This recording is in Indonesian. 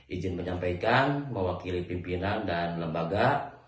izin menyampaikan mewakili pimpinan dan lembaga